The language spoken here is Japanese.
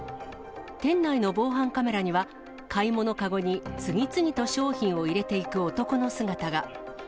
店内の防犯カメラには、買い物籠に次々と商品を入れていく男の姿が。